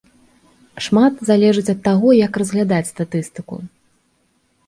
Шмат залежыць ад таго, як разглядаць статыстыку.